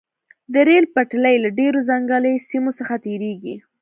د ریل پټلۍ له ډیرو ځنګلي سیمو څخه تیریږي